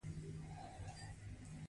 هغه د سفر پر څنډه ساکت ولاړ او فکر وکړ.